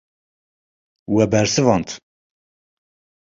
We bersivand.